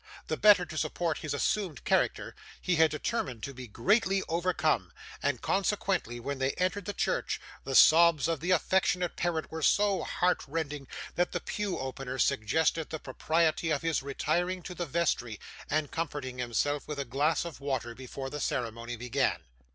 The better to support his assumed character he had determined to be greatly overcome, and, consequently, when they entered the church, the sobs of the affectionate parent were so heart rending that the pew opener suggested the propriety of his retiring to the vestry, and comforting himself with a glass of water before the ceremony began.